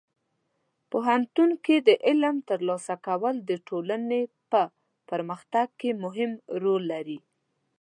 پوهنتون کې د علم ترلاسه کول د ټولنې په پرمختګ کې مهم رول لري.